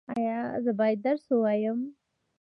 ایا زه باید درس ووایم؟